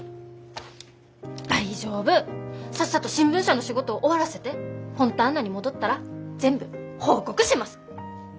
大丈夫さっさと新聞社の仕事を終わらせてフォンターナに戻ったら全部報告します！